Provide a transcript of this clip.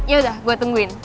yaudah gue tungguin